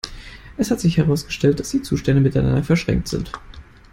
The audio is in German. Es hat sich herausgestellt, dass die Zustände miteinander verschränkt sind.